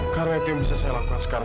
karena itu yang bisa saya lakukan sekarang